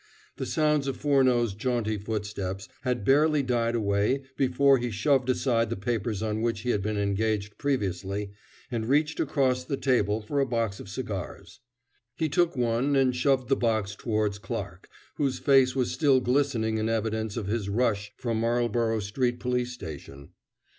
The sounds of Furneaux's jaunty footsteps had barely died away before he shoved aside the papers on which he had been engaged previously, and reached across the table for a box of cigars. He took one, and shoved the box towards Clarke, whose face was still glistening in evidence of his rush from Marlborough Street police station.